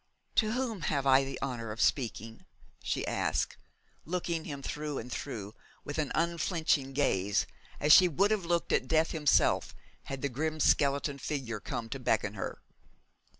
'To whom have I the honour of speaking?' she asked, looking; him through and through with an unflinching gaze, as she would have looked at Death himself, had the grim skeleton figure come to beckon her.